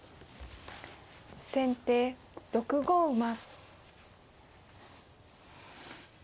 先手６五馬。